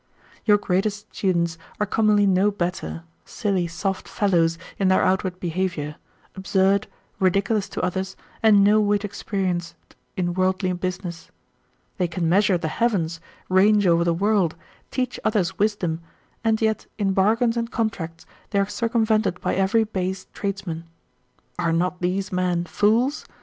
Your greatest students are commonly no better, silly, soft fellows in their outward behaviour, absurd, ridiculous to others, and no whit experienced in worldly business; they can measure the heavens, range over the world, teach others wisdom, and yet in bargains and contracts they are circumvented by every base tradesman. Are not these men fools?